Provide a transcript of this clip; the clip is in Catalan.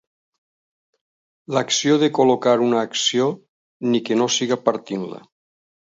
L'acció de col·locar una acció, ni que no sigui partint-la.